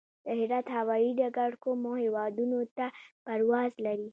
د هرات هوايي ډګر کومو هیوادونو ته پرواز لري؟